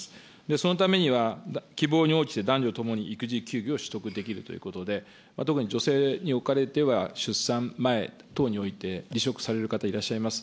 そのためには、希望に応じて男女ともに育児休業を取得できるということで、特に女性におかれては、出産前等において、離職される方いらっしゃいます。